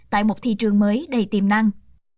tại một thị trường mới đầy tiềm năng